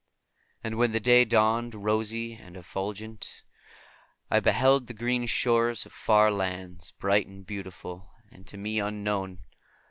And when the day dawned, rosy and effulgent, I beheld the green shore of far lands, bright and beautiful, and to me unknown.